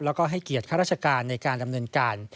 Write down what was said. แล้วก็ให้เกียรติข้าราชการในการดำเนินการ